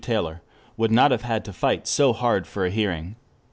Taylor would not have had to fight so hard for a hearing.